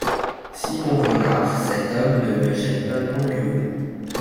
Simon Renard Cet homme ne me gêne pas moins que vous.